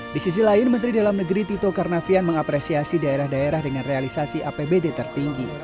di sisi lain menteri dalam negeri tito karnavian mengapresiasi daerah daerah dengan realisasi apbd tertinggi